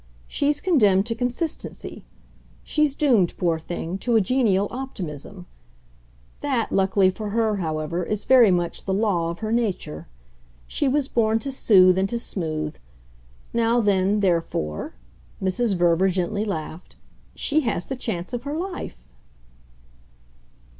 She's condemned to consistency; she's doomed, poor thing, to a genial optimism. That, luckily for her, however, is very much the law of her nature. She was born to soothe and to smooth. Now then, therefore," Mrs. Verver gently laughed, "she has the chance of her life!"